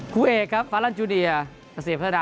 ครูเอครับฟาลันด์จูเดียประเสด็จพระราชนา